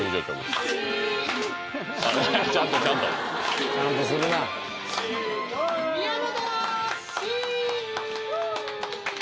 ちゃんとちゃんとちゃんとするな宮本真！